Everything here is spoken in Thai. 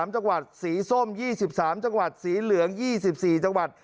๓จังหวัดสีส้ม๒๓จังหวัดสีเหลือง๒๔จังหวัด